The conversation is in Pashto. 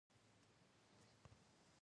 پر خپلو پښو د خپل قاتل غیږي ته نه ورځمه